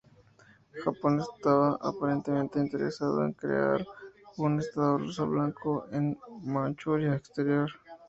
Japón estaba aparentemente interesado en crear un Estado Ruso Blanco en Manchuria Exterior.